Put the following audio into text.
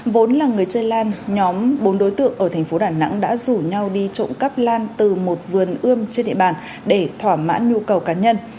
vốn là người chơi lan nhóm bốn đối tượng ở thành phố đà nẵng đã rủ nhau đi trộm cắp lan từ một vườn ươm trên địa bàn để thỏa mãn nhu cầu cá nhân